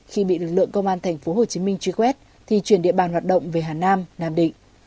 khi bị lực lượng công an thành phố hồ chí minh truy quét thì chuyển địa bàn hoạt động về hà nam nam định